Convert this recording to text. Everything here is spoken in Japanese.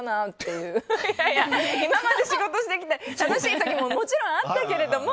いやいや、今まで仕事してきて楽しい時ももちろんあったけれども。